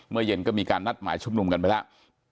เย็นก็มีการนัดหมายชุมนุมกันไปแล้ว